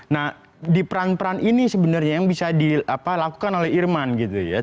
nah di peran peran ini sebenarnya yang bisa dilakukan oleh irman gitu ya